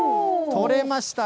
取れました。